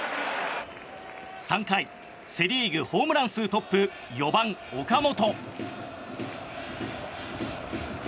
３回セ・リーグホームラン数トップ４番、岡本。